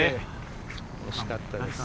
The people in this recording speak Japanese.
惜しかったです。